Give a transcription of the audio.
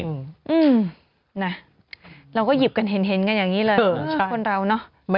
อืมนะเราก็หยิบกันเห็นกันอย่างนี้เลยคนเราเนอะ